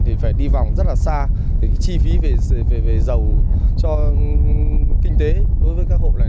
thì phải đi vòng rất là xa để cái chi phí về dầu cho kinh tế đối với các hộ này